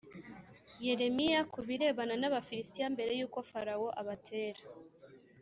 Yeremiya ku birebana n Abafilisitiya mbere y uko Farawo abatera